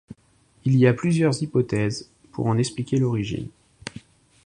Il y a plusieurs hypothèses pour en expliquer l'origine.